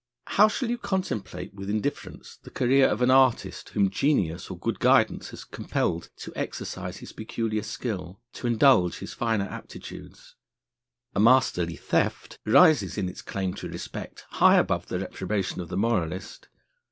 How shall you contemplate with indifference the career of an artist whom genius or good guidance has compelled to exercise his peculiar skill, to indulge his finer aptitudes? A masterly theft rises in its claim to respect high above the reprobation of the moralist.